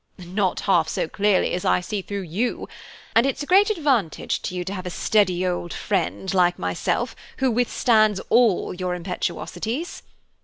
"Not half so clearly as I see through you, and it a great advantage to you to have a steady old friend like myself, who withstands all your impetuosities.